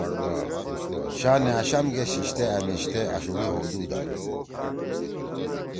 شا نأشام گے شیِشتے امیژتے اشُوڑی ہؤدُودا۔